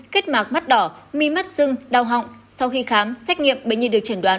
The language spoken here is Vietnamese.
kết mạc mắt đỏ mi mắt dưng đau họng sau khi khám xét nghiệm bệnh nhi được chẩn đoán